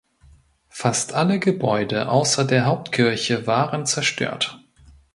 Fast alle Gebäude außer der Hauptkirche waren zerstört.